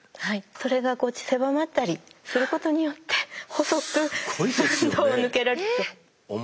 それがこう狭まったりすることによって細く産道を抜けられると。